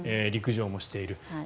陸上もしている。